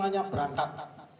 lima lima nya berangkat